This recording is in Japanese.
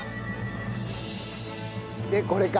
でこれか。